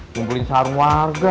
kumpulin sarung warga